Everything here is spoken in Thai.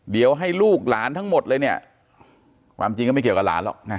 เดี๋ยวให้ลูกหลานทั้งหมดเลยเนี่ยความจริงก็ไม่เกี่ยวกับหลานหรอกนะ